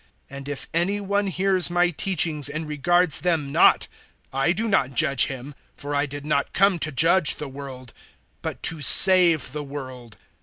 012:047 And if any one hears my teachings and regards them not, I do not judge him; for I did not come to judge the world, but to save the world.